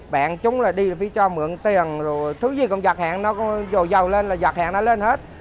bạn chúng là đi là phải cho mượn tiền rồi thứ gì cũng giọt hẹn nó dầu lên là giọt hẹn nó lên hết